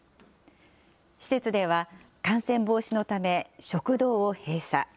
施設では、感染防止のため、食堂を閉鎖。